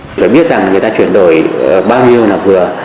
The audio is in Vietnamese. chúng ta biết rằng người ta chuyển đổi bao nhiêu là vừa